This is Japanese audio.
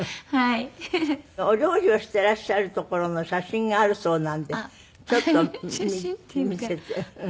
お料理をしていらっしゃるところの写真があるそうなんでちょっと見せて。